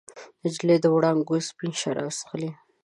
نجلۍ د وړانګو سپین شراب چښلي